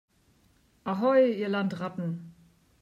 Ahoi, ihr Landratten!